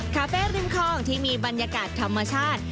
คาเฟ่ริมคลองที่มีบรรยากาศธรรมชาติ